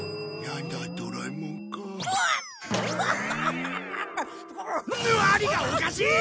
何がおかしい！